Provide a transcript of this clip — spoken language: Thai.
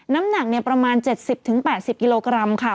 น้ำหนักประมาณ๗๐๘๐กิโลกรัมค่ะ